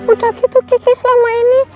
udah gitu kiki selama ini